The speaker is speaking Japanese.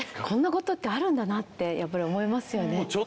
こんなことってあるんだなってやっぱり思いますよね。